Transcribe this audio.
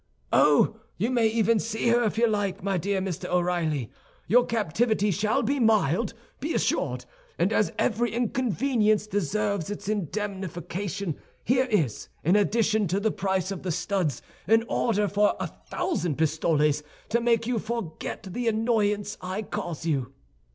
"Oh, you may even see her if you like, my dear Mr. O'Reilly. Your captivity shall be mild, be assured; and as every inconvenience deserves its indemnification, here is, in addition to the price of the studs, an order for a thousand pistoles, to make you forget the annoyance I cause you."